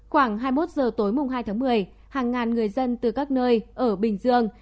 khoảng hai mươi một giờ tối mùng hai tháng một mươi hàng ngàn người dân từ các nơi ở bình dương